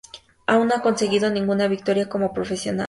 Aún no ha conseguido ninguna victoria como profesional.